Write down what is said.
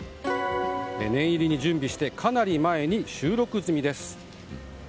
念入りに準備してかなり前に収録済みです。